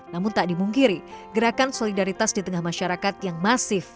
namun tak dimungkiri gerakan solidaritas di tengah masyarakat yang masif